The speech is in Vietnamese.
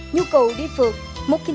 nhu cầu đi phường